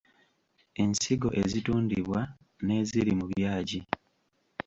Ensigo ezitundibwa n’eziri mu byagi.